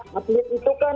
mas yandra itu kan